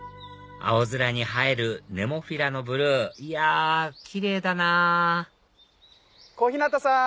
青空に映えるネモフィラのブルーいやキレイだなぁ小日向さん！